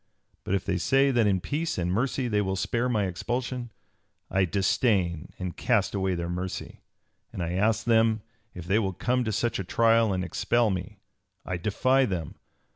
But if they say that in peace and mercy they will spare me expulsion, I disdain and cast away their mercy; and I ask them if they will come to such a trial and expel me. I defy them.